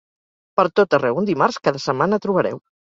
Pertot arreu un dimarts cada setmana trobareu.